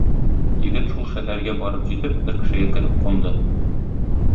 Егет, шул шәһәргә барып җитеп, бер кешегә кереп кунды.